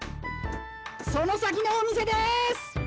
「その先のお店です！」。